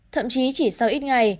thậm chí chỉ sau ít ngày